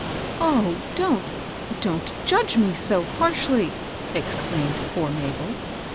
" Oh, don't — don't judge me So harshly I " ex claimed poor Mabel.